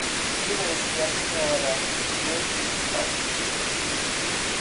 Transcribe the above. Diga-lhes que a Sra. Craig está aqui.